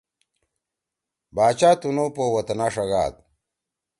باچا تنُو پو وطنا ݜگاد۔